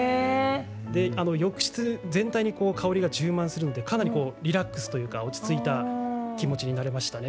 浴室全体に香りが充満するのでリラックスというか落ち着いた気持ちになりましたね。